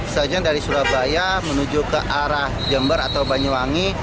saja dari surabaya menuju ke arah jember atau banyuwangi